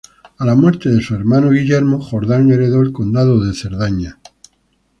A la muerte de su hermano Guillermo Jordán heredó el condado de Cerdaña.